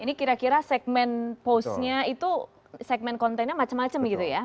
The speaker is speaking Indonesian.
ini kira kira segmen postnya itu segmen kontennya macam macam gitu ya